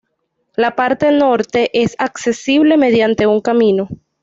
La parte norte es accesible mediante un camino.